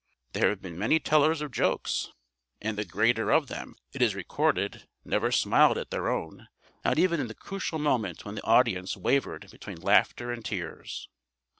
There have been many tellers of jokes, and the greater of them, it is recorded, never smiled at their own, not even in the crucial moment when the audience wavered between laughter and tears.